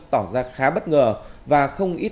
tỏ ra khá bất ngờ và không ít